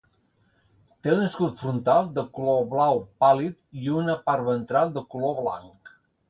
Té un escut frontal de color blau pàl·lid i una part ventral de color blanc.